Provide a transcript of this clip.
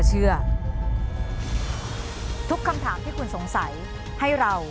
ทุกคำถามที่คุณสงสัยให้เรา